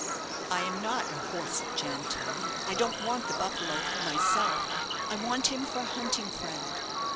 "I am not a 'horsey gent.' I don't want the 'Buffalo' for myself. I want him for a hunting friend.